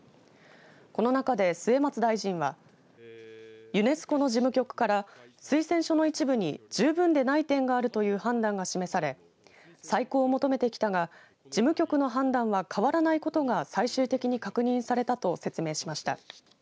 この中で末松大臣はユネスコの事務局から推薦書の一部に十分でない点があるという判断が示され再考を求めてきたが事務局の判断は変わらないことが最終的に確認されたと説明しました。